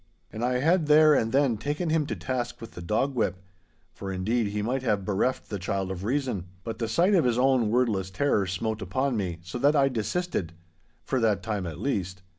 And I had there and then taken him to task with the dog whip (for indeed he might have bereft the child of reason), but the sight of his own wordless terror smote upon me, so that I desisted—for that time at least.